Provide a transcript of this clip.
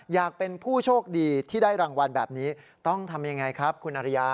อยากเป็นผู้โชคดีที่ได้รางวัลแบบนี้ต้องทำยังไงครับคุณอริยา